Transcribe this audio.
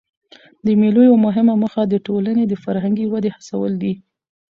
د مېلو یوه مهمه موخه د ټولني د فرهنګي ودي هڅول دي.